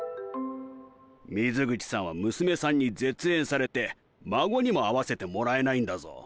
水口さんは娘さんに絶縁されて孫にも会わせてもらえないんだぞ。